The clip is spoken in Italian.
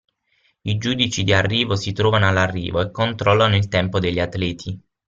I giudici di arrivo si trovano all'arrivo e controllano il tempo degli atleti.